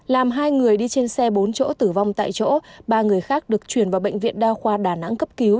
làm hai người đi trên xe bốn chỗ tử vong tại chỗ ba người khác được chuyển vào bệnh viện đa khoa đà nẵng cấp cứu